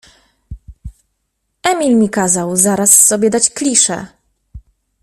Emil mi kazał zaraz sobie dać kliszę.